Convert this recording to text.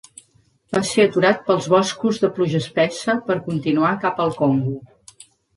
Va ser aturat pels boscos de pluja espessa per continuar cap al Congo.